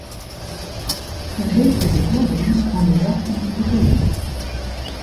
Ferheegje de helderens fan de ljochten yn de keuken.